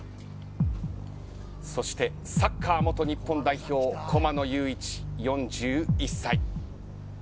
そしてサッカー元日本代表駒野友一、４１歳。